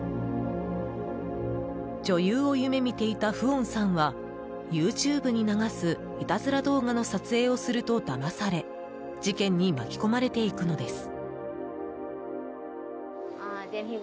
女優を夢見ていたフオンさんはＹｏｕＴｕｂｅに流すいたずら動画の撮影をするとだまされ事件に巻き込まれていくのです。